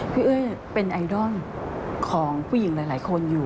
เอ้ยเป็นไอดอลของผู้หญิงหลายคนอยู่